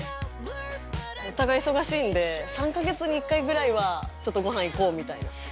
お互い忙しいんで３か月に１回ぐらいはちょっとご飯行こうみたいな。